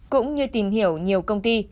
cũng như tìm hiểu nhiều công ty